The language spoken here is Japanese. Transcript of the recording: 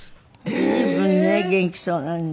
随分ね元気そうなのにね。